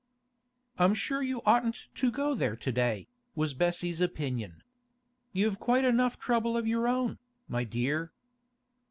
'I'm sure you oughtn't to go there to day,' was Bessie's opinion. 'You've quite enough trouble of your own, my dear.